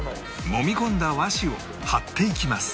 もみ込んだ和紙を貼っていきます